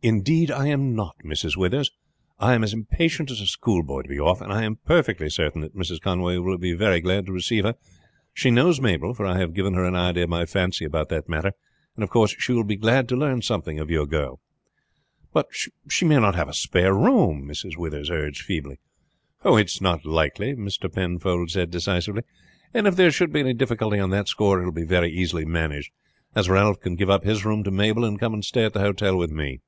"Indeed I am not, Mrs. Withers. I am as impatient as a schoolboy to be off. And I am perfectly certain that Mrs. Conway will be very glad to receive her. She knows Mabel, for I have given her an idea of my fancy about that matter; and of course she will be glad to learn something of your girl." "But she may not have a spare room," Mrs. Withers urged feebly. "It is not likely," Mr. Penfold said decisively; "and if there should be any difficulty on that score it will be very easily managed, as Ralph can give up his room to Mabel, and come and stay at the hotel with me."